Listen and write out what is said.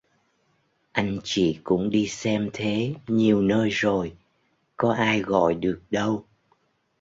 Anh chị cũng đi xem thể nhiều nơi rồi có ai gọi được đâu